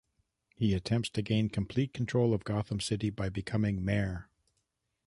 He attempts to gain complete control of Gotham City by becoming Mayor.